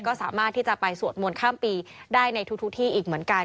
ก็สามารถที่จะไปสวดมนต์ข้ามปีได้ในทุกที่อีกเหมือนกัน